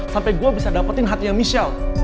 sampai gue bisa dapetin hatinya michelle